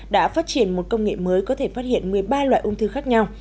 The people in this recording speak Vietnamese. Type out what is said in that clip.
đã phát triển một công nghệ mới có thể phát hiện một mươi ba loại ung thư khác nhau